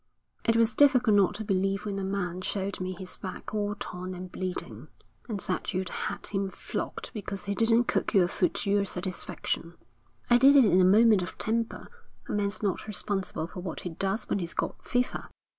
'It was difficult not to believe when a man showed me his back all torn and bleeding, and said you'd had him flogged because he didn't cook your food to your satisfaction.' 'I did it in a moment of temper. A man's not responsible for what he does when he's got fever.'